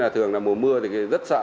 thường là mùa mưa thì rất sợ